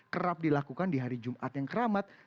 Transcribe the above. kerap dilakukan di hari jumat yang keramat